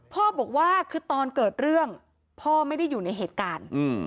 พ่อบอกว่าคือตอนเกิดเรื่องพ่อไม่ได้อยู่ในเหตุการณ์